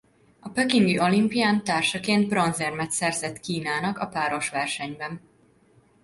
A pekingi olimpián társaként bronzérmet szerzett Kínának a páros versenyben.